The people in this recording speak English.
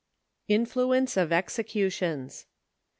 INFLUENCE 07 EXECtJTIONS.